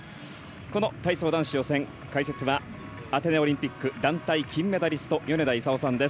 この体操男子予選解説はアテネオリンピック団体金メダリスト米田功さんです。